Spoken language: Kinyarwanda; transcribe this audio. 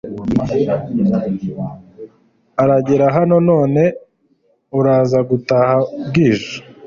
iragera hano none uraza gutaha bwije